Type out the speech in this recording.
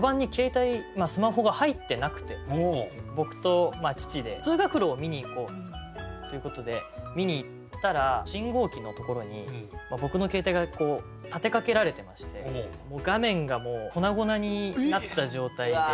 僕と父で通学路を見に行こうということで見に行ったら信号機のところに僕の携帯が立てかけられてまして画面がもう粉々になった状態で。